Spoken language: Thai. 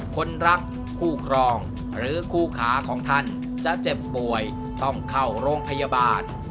คนรักคู่ครองหรือคู่ขาของท่านจะเจ็บป่วยต้องเข้าโรงพยาบาล